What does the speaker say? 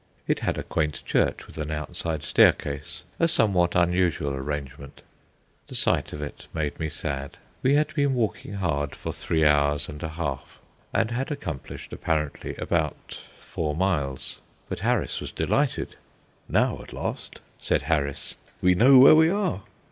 It had a quaint church with an outside staircase, a somewhat unusual arrangement. The sight of it made me sad. We had been walking hard for three hours and a half, and had accomplished, apparently, about four miles. But Harris was delighted. "Now, at last," said Harris, "we know where we are."